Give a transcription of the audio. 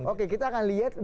oke kita akan lihat